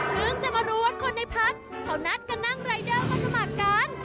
จะมารู้ว่าคนในพักเขานัดกันนั่งรายเดอร์มาสมัครกัน